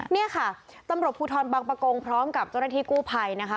นี่ค่ะตำรวจภูทรบังปะโกงพร้อมกับเจ้าหน้าที่กู้ภัยนะคะ